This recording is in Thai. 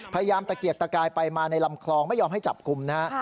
ตะเกียกตะกายไปมาในลำคลองไม่ยอมให้จับกลุ่มนะฮะ